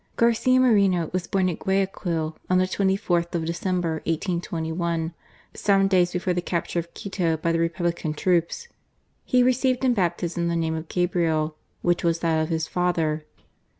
Garcia Moreno was born at Guayaquil on the 24th of December, 1821, some days before the capture of Quito by the Republican troops. He received in Baptism the name of Gabriel, which was that of his father.